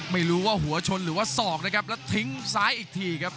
ไม่รู้ว่าหัวชนหรือว่าศอกนะครับแล้วทิ้งซ้ายอีกทีครับ